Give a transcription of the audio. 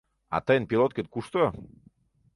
— А тыйын пилоткет кушто?